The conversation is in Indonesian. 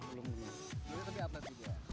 belumnya tapi atlet duduk